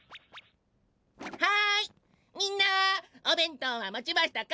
はいみんなおべんとうはもちましたか？